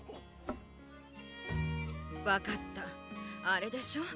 わかったあれでしょう